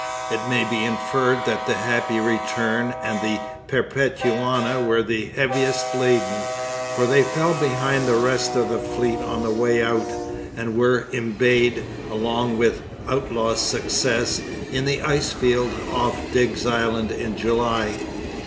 It may be inferred that the Happy Return and the Perpetuana were the heaviest laden, for they fell behind the rest of the fleet on the way out, and were embayed, along with Outlaw's Success, in the icefields off Digges Island in July.